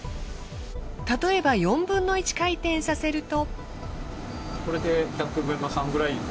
例えば４分の１回転させると。